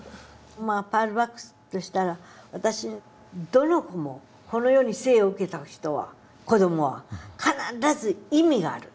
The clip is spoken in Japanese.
パール・バックとしたら私に「どの子もこの世に生を受けた子どもは必ず意味がある。